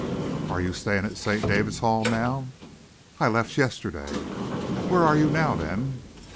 "Are you staying at St. David's Hall now?" "I left yesterday." "Where are you now, then?"